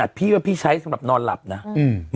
พี่ว่าพี่ใช้สำหรับนอนหลับนะอืม